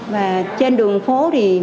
và trên đường phố thì